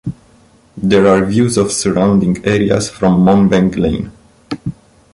There are views of surrounding areas from Monbeg Lane.